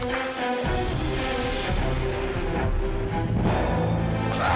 saya sudah berusaha